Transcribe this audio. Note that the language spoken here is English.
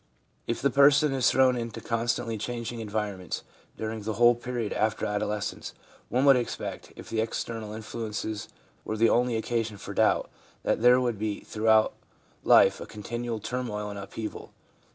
If the person is thrown into constantly changing environments during the whole period after adolescence, one would expect, if the external influences were the only occasion for doubt, that there would be throughout life a continual turmoil and upheaval.